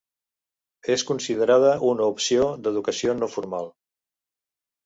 És considerada una opció d'educació no formal.